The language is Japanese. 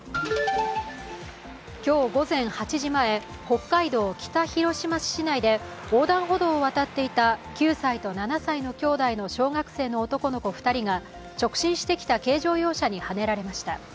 今日午前８時前北海道北広島市市内で横断歩道を渡っていた９歳と７歳の兄弟の小学生の男の子２人が直進してきた軽乗用車にはねられました。